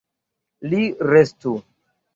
Li restu.